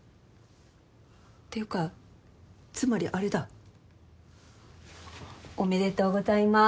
ていうかつまりあれだ。おめでとうございます。